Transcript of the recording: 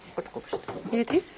入れていい？